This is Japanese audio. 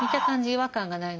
違和感がないので。